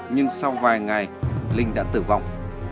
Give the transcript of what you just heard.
nhưng sau vài ngày linh đã tử vong